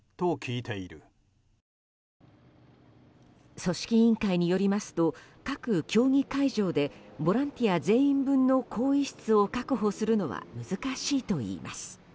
組織委員会によりますと各競技会場でボランティア全員分の更衣室を確保するのは難しいといいます。